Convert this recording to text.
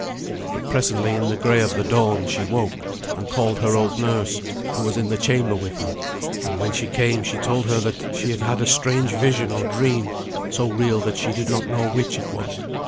But presently, in the grey of the dawn, she woke, and called her old nurse, who was in the chamber with her; and when she came she told her that she had had a strange vision or dream, so real that she did not know which it was.